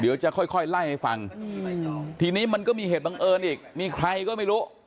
เดี๋ยวจะค่อยไล่ให้ฟังทีนี้มันก็มีเหตุบังเอิญอีกมีใครก็ไม่รู้